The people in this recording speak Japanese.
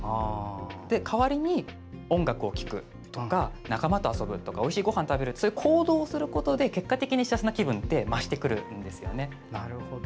代わりに音楽を聴くとか、仲間と遊ぶとかおいしいごはんを食べるという行動をすることで結果的に幸せな気分って増してくるんですね。